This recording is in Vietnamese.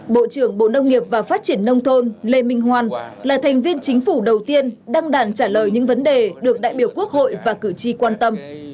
bộ trưởng bộ nông nghiệp và phát triển nông thôn lê minh hoan là thành viên chính phủ đầu tiên đăng đàn trả lời những vấn đề được đại biểu quốc hội và cử tri quan tâm